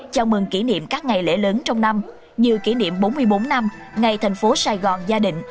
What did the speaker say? chào mừng kỷ niệm các ngày lễ lớn trong năm như kỷ niệm bốn mươi bốn năm ngày thành phố sài gòn gia đình